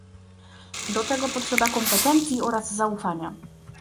Do tego potrzeba kompetencji oraz zaufania